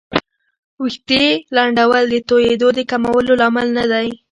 ویښتې لنډول د توېیدو د کمولو لامل نه دی.